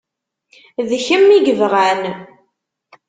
D kemm i yebɣan.